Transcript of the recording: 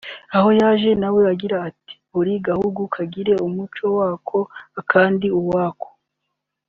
aho yaje na we agira ati ”Buri gahugu kagira umuco wako akandi uwako